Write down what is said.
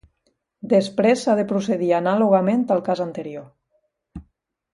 Després s'ha de procedir anàlogament al cas anterior.